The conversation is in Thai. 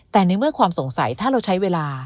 แต่ในเมื่อความสงสัยถ้าเราใช้เวลา